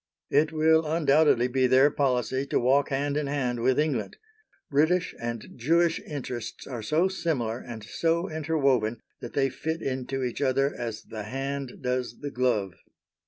It will undoubtedly be their policy to walk hand in hand with England. British and Jewish interests are so similar and so interwoven that they fit into each other as the hand does the glove.